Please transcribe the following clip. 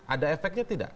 ada efeknya tidak